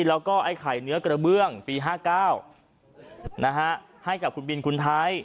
แล้วก็ไอ้ไข่เนื้อกระเบื้องปี๕๙ให้กับคุณบินคุณไทย